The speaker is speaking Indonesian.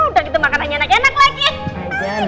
udah gitu makanannya enak enak lagi